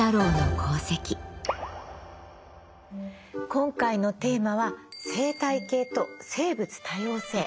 今回のテーマは「生態系と生物多様性」。